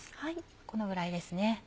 このぐらいです。